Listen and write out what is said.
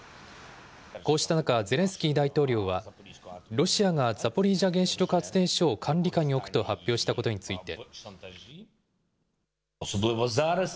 こうした中、ゼレンスキー大統領は、ロシアがザポリージャ原子力発電所を管理下に置くと発表したことについて。